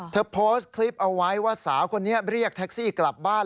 เธอโพสต์คลิปเอาไว้ว่าสาวคนนี้เรียกแท็กซี่กลับบ้าน